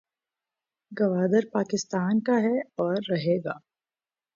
گودار پاکستان کاھے اور رہے گا